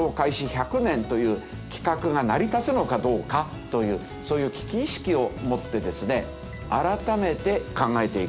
１００年という企画が成り立つのかどうかというそういう危機意識を持ってですね改めて考えていく。